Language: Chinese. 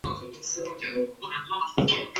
黑碳不完全燃烧和氧化形成的产物。